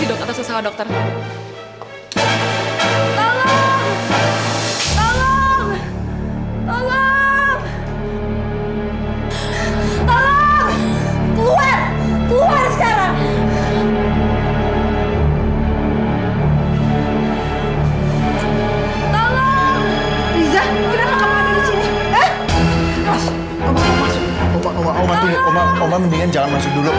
indira terak terak seperti itu